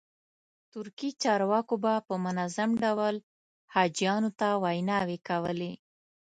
ترکي چارواکو به په منظم ډول حاجیانو ته ویناوې کولې.